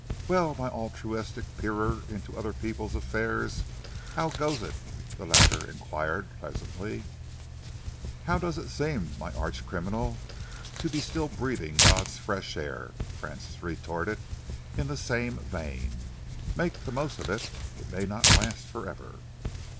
"Well, my altruistic peerer into other people's affairs, how goes it?" the latter enquired pleasantly. "How does it seem, my arch criminal, to be still breathing God's fresh air?" Francis retorted in the same vein. "Make the most of it. It may not last for ever."